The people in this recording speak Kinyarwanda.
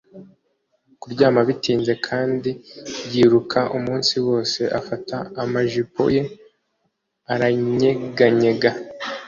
kuryama bitinze, kandi yiruka umunsi wose, afata amajipo ye aranyeganyega